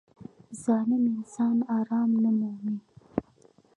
• ظالم انسان آرام نه مومي.